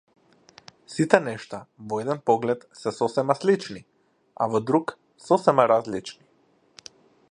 Сите нешта во еден поглед се сосема слични, а во друг сосема различни.